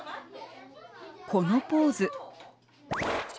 このポーズ。